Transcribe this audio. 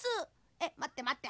「ええまってまって。